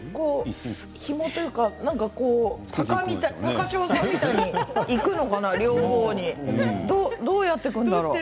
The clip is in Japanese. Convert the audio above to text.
ひもというか、たか匠さんみたいに行くのかな両方どうやるんだろう。